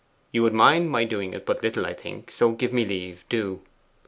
You would mind my doing it but little, I think; so give me leave, do.